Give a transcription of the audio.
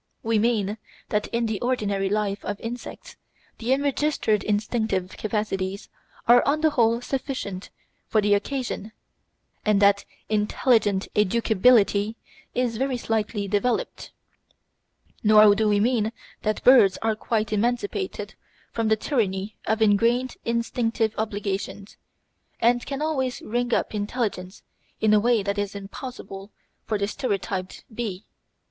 We mean that in the ordinary life of insects the enregistered instinctive capacities are on the whole sufficient for the occasion, and that intelligent educability is very slightly developed. Nor do we mean that birds are quite emancipated from the tyranny of engrained instinctive obligations, and can always "ring up" intelligence in a way that is impossible for the stereotyped bee.